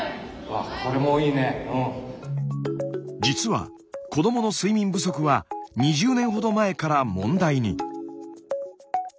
実は子どもの睡眠不足は２０年ほど前から問題に。